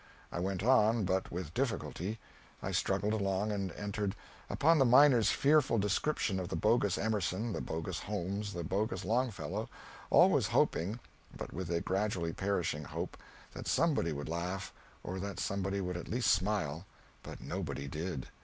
I went on, but with difficulty I struggled along, and entered upon that miner's fearful description of the bogus Emerson, the bogus Holmes, the bogus Longfellow, always hoping but with a gradually perishing hope that somebody would laugh, or that somebody would at least smile, but nobody did.